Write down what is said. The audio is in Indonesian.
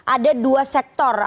ada dua sektor